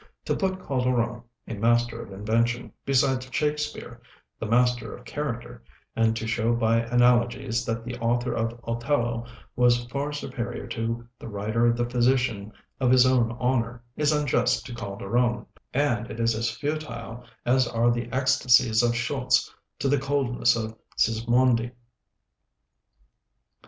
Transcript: To put Calderon, a master of invention, beside Shakespeare, the master of character, and to show by analogies that the author of 'Othello' was far superior to the writer of 'The Physician of His Own Honor,' is unjust to Calderon; and it is as futile as are the ecstasies of Schultze to the coldness of Sismondi.